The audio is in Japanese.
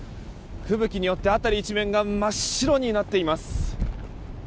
吹雪によって辺り一面が真っ白になっています。